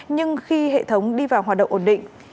nhưng khi hệ thống đi vào hoạt động ổn định